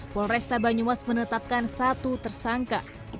polresta banyumas menetapkan satu tersangka